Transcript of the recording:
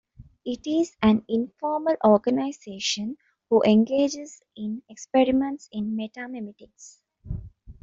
It is an informal organization who engages in experiments in Metamemetics.